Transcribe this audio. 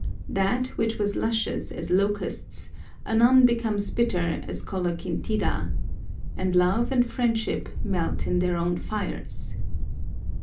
" That which was luscious as locusts, anon becomes bitter as coloquintida ;" and love and friend ship melt in their own fires.